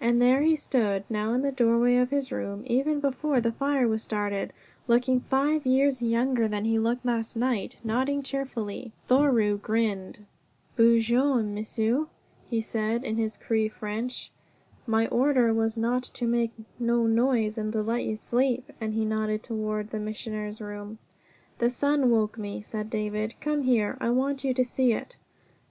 And there he stood now in the doorway of his room, even before the fire was started looking five years younger than he looked last night, nodding cheerfully. Thoreau grinned. "Boo jou, m'sieu," he said in his Cree French. "My order was to make no noise and to let you sleep," and he nodded toward the Missioner's room. "The sun woke me," said David. "Come here. I want you to see it!"